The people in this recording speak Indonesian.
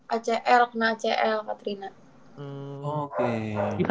acl kena acl katrina